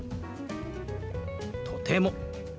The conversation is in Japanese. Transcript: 「とても」。